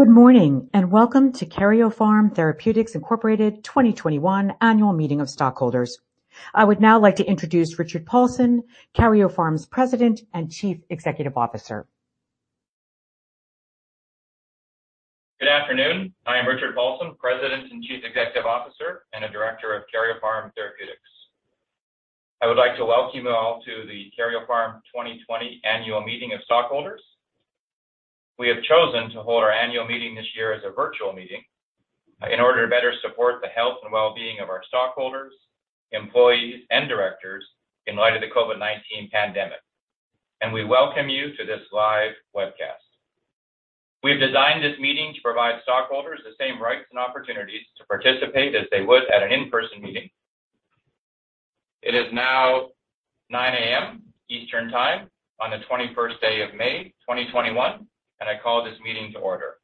Good morning, and welcome to Karyopharm Therapeutics Inc. 2021 Annual Meeting of Stockholders. I would now like to introduce Richard Paulson, Karyopharm's President and Chief Executive Officer. Good afternoon. I am Richard Paulson, President and Chief Executive Officer, and a director of Karyopharm Therapeutics. I would like to welcome you all to the Karyopharm 2020 Annual Meeting of Stockholders. We have chosen to hold our annual meeting this year as a virtual meeting in order to better support the health and well-being of our stockholders, employees, and directors in light of the COVID-19 pandemic, and we welcome you to this live webcast. We've designed this meeting to provide stockholders the same rights and opportunities to participate as they would at an in-person meeting. It is now 9:00 A.M. Eastern Time on the 21st day of May 2021. I call this meeting to order.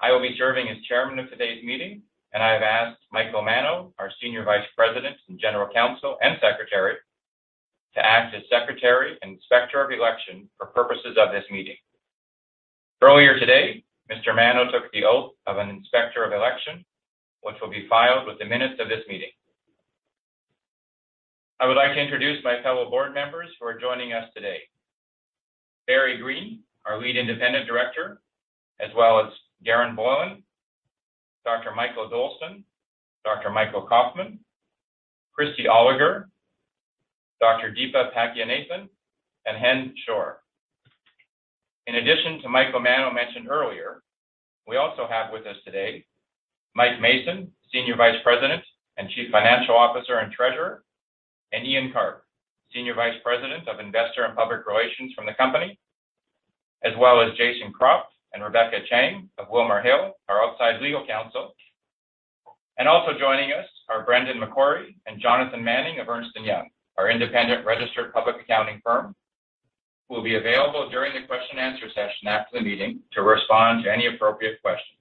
I will be serving as Chairman of today's meeting, and I've asked Michael Mano, our Senior Vice President and General Counsel and Secretary, to act as Secretary and Inspector of Election for purposes of this meeting. Earlier today, Mr. Mano took the oath of an Inspector of Election, which will be filed with the minutes of this meeting. I would like to introduce my fellow board members who are joining us today. Barry E. Greene, our Lead Independent Director, as well as Garen Bohlin, Dr. Mikael Dolsten, Dr. Michael G. Kauffman, Christy J. Oliger, Deepa Pakianathan, and Chen Schor. In addition to Michael Mano mentioned earlier, we also have with us today Michael Mason, Senior Vice President and Chief Financial Officer and Treasurer, and Ian Karp, Senior Vice President of Investor and Public Relations from the company, as well as Jason Kropp and Rebecca Chang of WilmerHale, our outside legal counsel. Also joining us are Brandon McQuarrie and Jonathan Manning of Ernst & Young, our independent registered public accounting firm, who will be available during the question and answer session after the meeting to respond to any appropriate questions.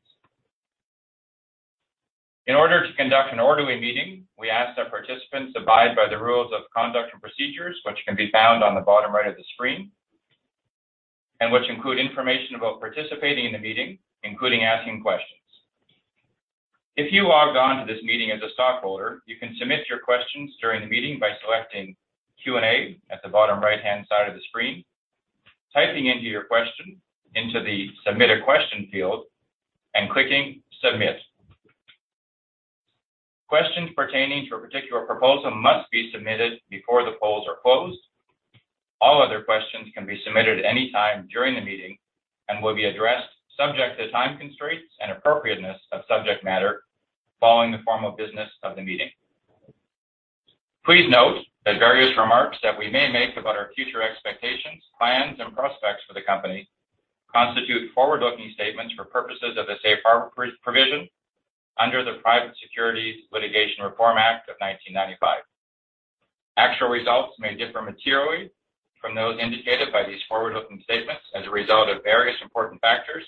In order to conduct an orderly meeting, we ask that participants abide by the rules of conduct and procedures, which can be found on the bottom right of the screen and which include information about participating in the meeting, including asking questions. If you logged on to this meeting as a stockholder, you can submit your questions during the meeting by selecting Q&A at the bottom right-hand side of the screen, typing in your question into the Submit a Question field, and clicking Submit. Questions pertaining to a particular proposal must be submitted before the polls are closed. All other questions can be submitted any time during the meeting and will be addressed subject to time constraints and appropriateness of subject matter following the formal business of the meeting. Please note that various remarks that we may make about our future expectations, plans, and prospects for the company constitute forward-looking statements for purposes of the safe harbor provision under the Private Securities Litigation Reform Act of 1995. Actual results may differ materially from those indicated by these forward-looking statements as a result of various important factors,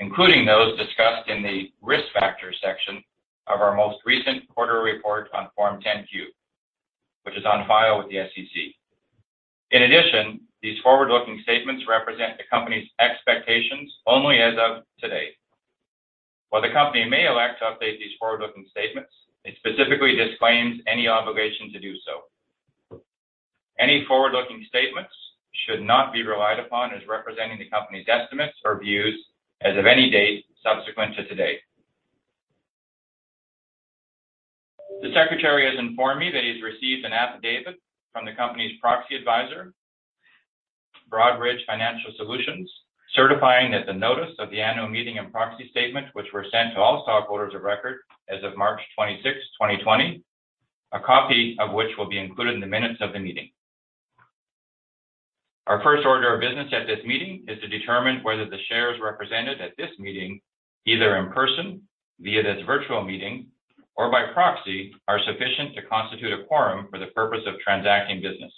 including those discussed in the Risk Factors section of our most recent quarterly report on Form 10-Q, which is on file with the SEC. In addition, these forward-looking statements represent the company's expectations only as of today. While the company may elect to update these forward-looking statements, it specifically disclaims any obligation to do so. Any forward-looking statements should not be relied upon as representing the company's estimates or views as of any date subsequent to today. The Secretary has informed me that he's received an affidavit from the company's proxy advisor, Broadridge Financial Solutions, certifying that the notice of the annual meeting and proxy statement, which were sent to all stockholders of record as of March 26th, 2020, a copy of which will be included in the minutes of the meeting. Our first order of business at this meeting is to determine whether the shares represented at this meeting, either in person via this virtual meeting or by proxy, are sufficient to constitute a quorum for the purpose of transacting business.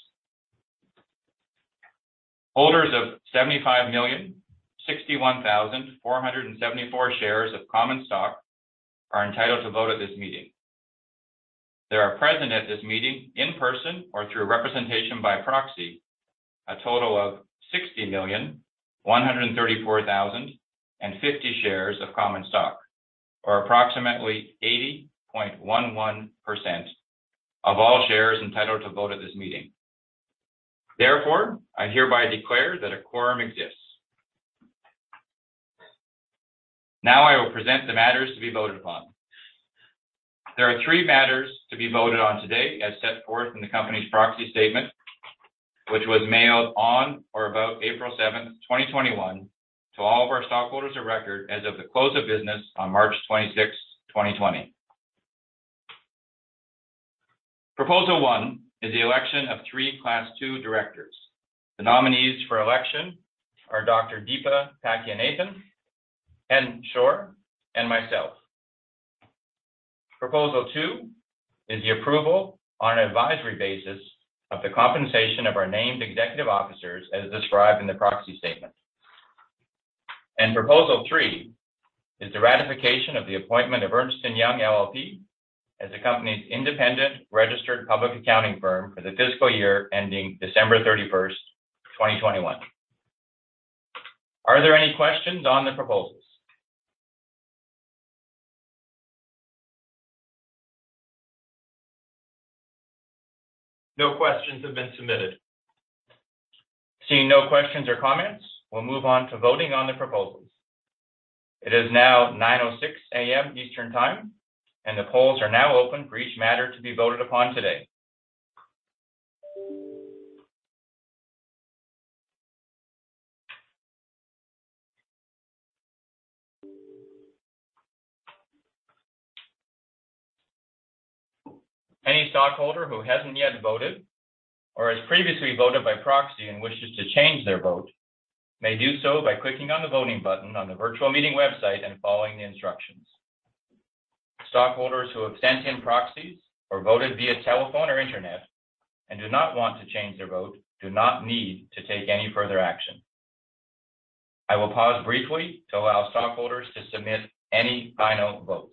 Holders of 75,061,474 shares of common stock are entitled to vote at this meeting. There are present at this meeting in person or through representation by proxy, a total of 60,134,050 shares of common stock, or approximately 80.11% of all shares entitled to vote at this meeting. Therefore, I hereby declare that a quorum exists. I will present the matters to be voted upon. There are three matters to be voted on today as set forth in the company's proxy statement, which was mailed on or about April 7th, 2021, to all of our stockholders of record as of the close of business on March 26th, 2020. Proposal one is the election of three Class II directors. The nominees for election are Dr. Deepa Pakianathan, Chen Schor, and myself. Proposal two is the approval on an advisory basis of the compensation of our named executive officers as described in the proxy statement. Proposal three is the ratification of the appointment of Ernst & Young LLP as the company's independent registered public accounting firm for the fiscal year ending December 31st, 2021. Are there any questions on the proposals? No questions have been submitted. Seeing no questions or comments, we'll move on to voting on the proposals. It is now 9:06 A.M. Eastern Time, and the polls are now open for each matter to be voted upon today. Any stockholder who hasn't yet voted or has previously voted by proxy and wishes to change their vote may do so by clicking on the voting button on the virtual meeting website and following the instructions. Stockholders who have sent in proxies or voted via telephone or internet and do not want to change their vote do not need to take any further action. I will pause briefly to allow stockholders to submit any final votes.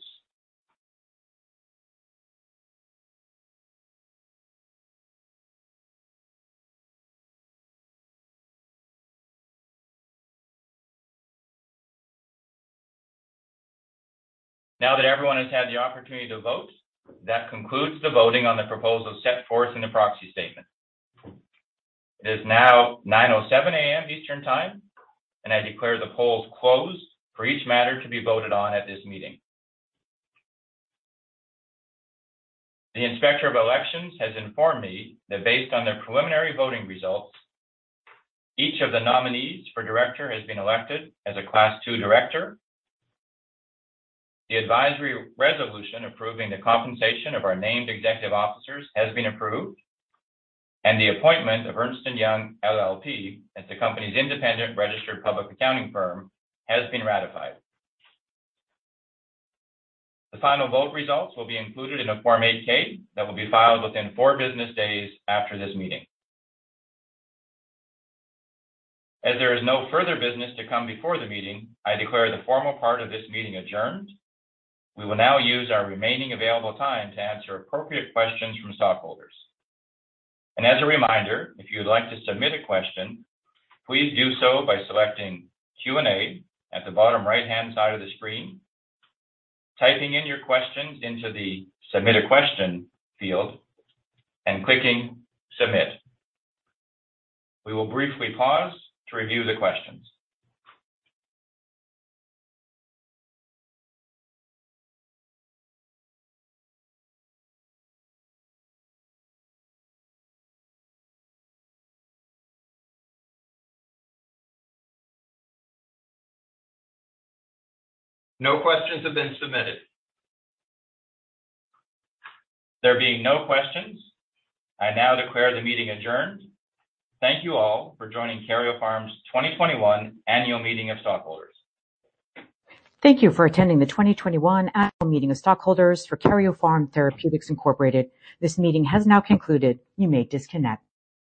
Now that everyone has had the opportunity to vote, that concludes the voting on the proposals set forth in the proxy statement. It is now 9:07 A.M. Eastern Time. I declare the polls closed for each matter to be voted on at this meeting. The Inspector of Elections has informed me that based on the preliminary voting results, each of the nominees for director has been elected as a Class 2 director. The advisory resolution approving the compensation of our named executive officers has been approved. The appointment of Ernst & Young LLP as the company's independent registered public accounting firm has been ratified. The final vote results will be included in a Form 8-K that will be filed within four business days after this meeting. As there is no further business to come before the meeting, I declare the formal part of this meeting adjourned. We will now use our remaining available time to answer appropriate questions from stockholders. As a reminder, if you would like to submit a question, please do so by selecting Q&A at the bottom right-hand side of the screen, typing in your questions into the Submit a Question field, and clicking Submit. We will briefly pause to review the questions. No questions have been submitted. There being no questions, I now declare the meeting adjourned. Thank you all for joining Karyopharm's 2021 Annual Meeting of Stockholders. Thank you for attending the 2021 Annual Meeting of Stockholders for Karyopharm Therapeutics Inc. This meeting has now concluded. You may disconnect.